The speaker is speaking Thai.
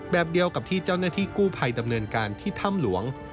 แบบเดียวกับที่เจ้าหน้าที่กู้ภัยดำเนินการที่ถ้ำหลวง